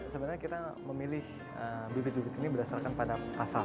sebenarnya kita memilih bibit bibit ini berdasarkan pada pasal